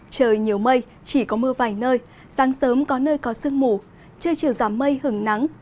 trời nhiều mây chỉ có mưa vài nơi sáng sớm có nơi có sương mù trưa chiều giảm mây hứng nắng